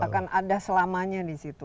bahkan ada selamanya di situ